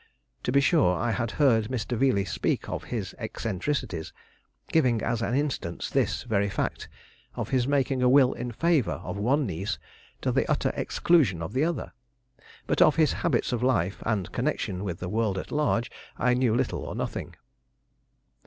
To be sure, I had heard Mr. Veeley speak of his eccentricities, giving as an instance this very fact of his making a will in favor of one niece to the utter exclusion of the other; but of his habits of life and connection with the world at large, I knew little or nothing.